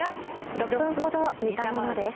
６分ほど煮たものです。